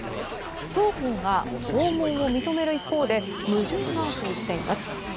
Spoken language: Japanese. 双方が訪問を認める一方で矛盾が生じています。